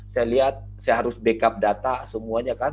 saya lihat saya harus backup data semuanya kan